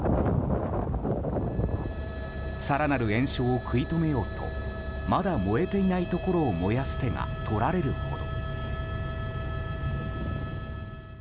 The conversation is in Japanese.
更なる延焼を食い止めようとまだ燃えていないところを燃やす手が取られるほど。